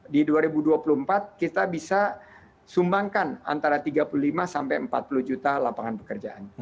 di dua ribu dua puluh empat kita bisa sumbangkan antara tiga puluh lima sampai empat puluh juta lapangan pekerjaan